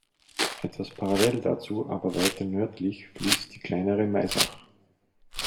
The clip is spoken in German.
Etwa parallel dazu, aber weiter nördlich fließt die kleinere Maisach.